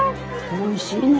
おいしいねえ。